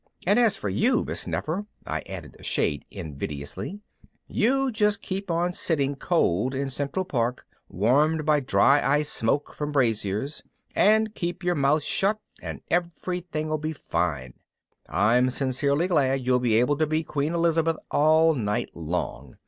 And as for you, Miss Nefer_, I added a shade invidiously, _you just keep on sitting cold in Central Park, warmed by dry ice smoke from braziers, and keep your mouth shut and everything'll be fine. I'm sincerely glad you'll be able to be Queen Elizabeth all night long.